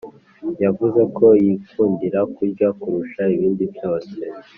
Yavuze ko yikundira kurya kurusha ibindi byose